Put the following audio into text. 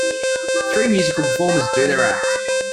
Three musical performers do their act.